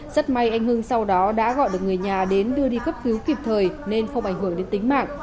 rất may anh hưng sau đó đã gọi được người nhà đến đưa đi cấp cứu kịp thời nên không ảnh hưởng đến tính mạng